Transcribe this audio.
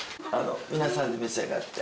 皆さんで召し上がって。